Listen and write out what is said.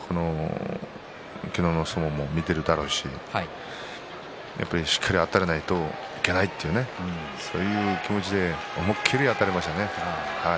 昨日の相撲も見ているだろうししっかりあたらないといけないという、そういう気持ちで思い切りあたっていきましたね。